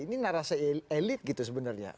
ini narasi elit gitu sebenarnya